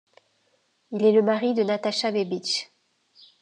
Il est le mari de Nataša Bebić.